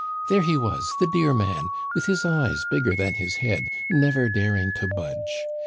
There he was, the dear man, with his eyes bigger than his head, never daring to budge.